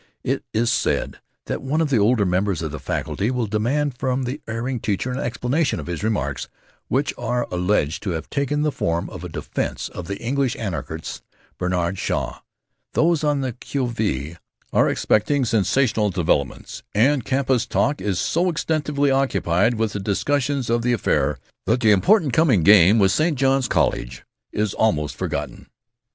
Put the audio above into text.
It is said that one of the older members of the faculty will demand from the erring teacher an explanation of his remarks which are alleged to have taken the form of a defense of the English anarchist Bernhard Shaw. Those on the que vive are expecting sensational developments and campus talk is so extensively occupied with discussions of the affair that the important coming game with St. John's college is almost forgotten.